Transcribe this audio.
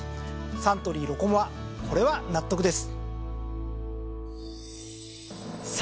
サントリーロコモアこれは納得です。